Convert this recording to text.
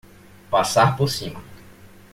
Passar por cima